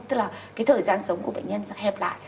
tức là cái thời gian sống của bệnh nhân sẽ hẹp lại